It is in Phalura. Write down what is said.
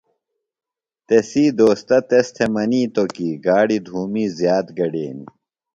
تسی دوستہ تس تھےۡ منِیتوۡ کی گاڑیۡ دُھومی زیات گڈینیۡ۔